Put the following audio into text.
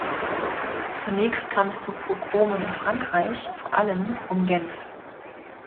Zunächst kam es zu Pogromen in Frankreich, vor allem um Genf.